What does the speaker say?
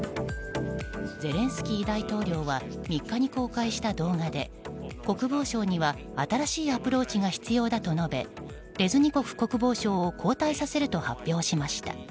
ゼレンスキー大統領は３日に公開した動画で国防省には新しいアプローチが必要だと述べレズニコフ国防相を交代させると発表しました。